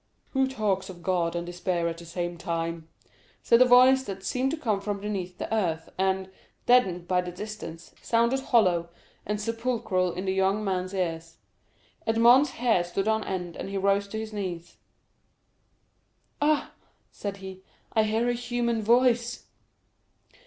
0193m "Who talks of God and despair at the same time?" said a voice that seemed to come from beneath the earth, and, deadened by the distance, sounded hollow and sepulchral in the young man's ears. Edmond's hair stood on end, and he rose to his knees. "Ah," said he, "I hear a human voice."